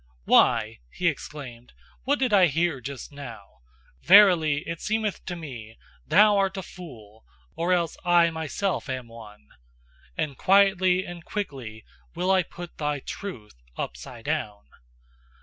"Why!" he exclaimed, "what did I hear just now? Verily, it seemeth to me, thou art a fool, or else I myself am one: and quietly and quickly will I put thy 'truth' upside down.